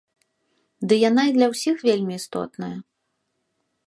Ды яна і для ўсіх вельмі істотная.